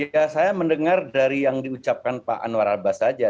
ya saya mendengar dari yang diucapkan pak anwar abbas saja